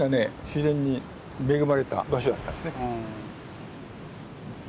自然に恵まれた場所だったんですね。